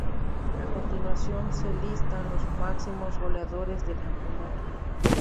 A continuación se listan los máximos goleadores del campeonato.